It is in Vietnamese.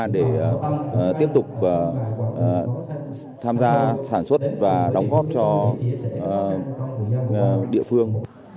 để tiếp tục tham gia sản xuất và đóng góp cho địa phương